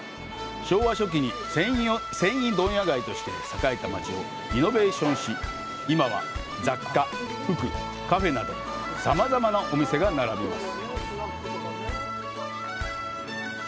昭和初期に繊維問屋街として栄えた町をリノベーションし、今は雑貨、服、カフェなど、さまざまなお店が並びます。